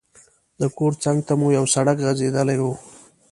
د کور څنګ ته مو یو سړک غځېدلی وو.